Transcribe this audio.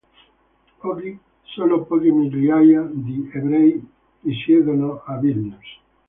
Oggi solo poche migliaia di ebrei risiedono a Vilnius.